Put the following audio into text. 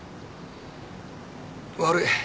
悪い。